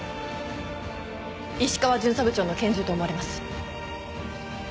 石川巡査部長の拳銃と思われます。